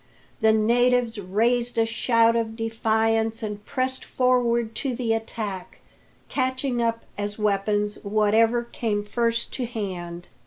The natives raised a shout of defiance and pressed forward to the attack, catching up as weapons whatever came first to hand.